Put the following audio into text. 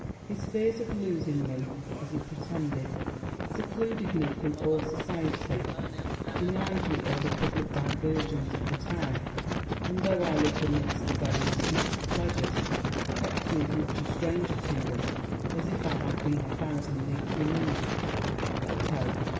His fears of losing me, as he pretended, secluded me from all society; denied me all the publick diversions of the town; and though I lived amidst the very seat of pleasures, kept me as much a stranger to them as if I had been a thousand leagues removed: but, oh!